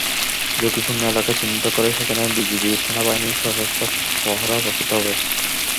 ঝুঁকিপূর্ণ এলাকা চিহ্নিত করে সেখানে বিজিবি, সেনাবাহিনীর সশস্ত্র প্রহরা বসাতে হবে।